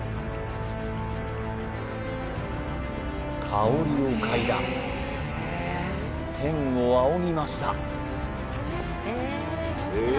香りを嗅いだ天を仰ぎました